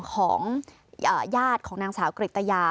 ของญาติของนางสาวกริตยา